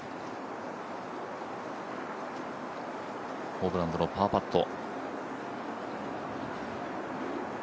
ホブランドのパーパット。